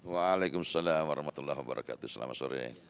waalaikumsalam warahmatullahi wabarakatuh selamat sore